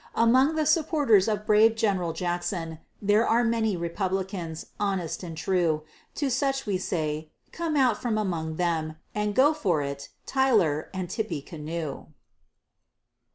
Among the supporters of brave General Jackson, There are many Republicans, honest and true, To such we say "come out from among them," And "go it for" Tyler and "Tippecanoe."